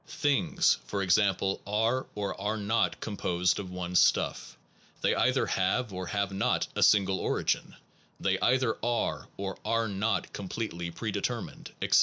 Things/ physical ^ or exam pl e > are or are n t composed problems o f one s t u ff ; they either have or have not a single origin; they either are or are not completely predetermined, etc.